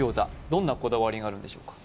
どんなこだわりがあるんでしょうか？